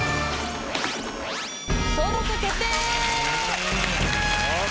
登録決定！